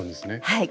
はい。